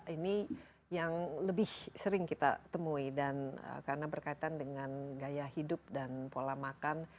ini yang lebih sering kita temui dan karena berkaitan dengan gaya hidup dan pola makan